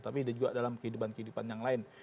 tapi ada juga dalam kehidupan kehidupan yang lain